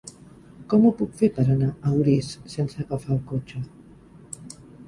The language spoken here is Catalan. Com ho puc fer per anar a Orís sense agafar el cotxe?